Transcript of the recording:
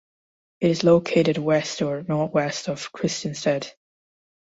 It is located west or northwest of Christiansted.